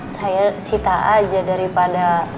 saya sita aja daripada